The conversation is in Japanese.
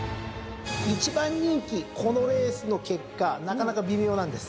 １番人気このレースの結果なかなか微妙なんです。